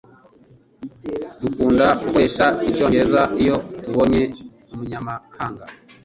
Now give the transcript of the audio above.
Dukunda gukoresha icyongereza iyo tubonye umunyamahanga.